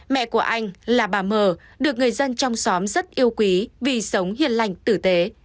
mẹ của anh là bà mờ được người dân trong xóm rất yêu quý vì sống hiền lành tử tế